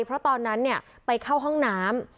เพราะตอนนั้นไปเข้าห้องน้ำ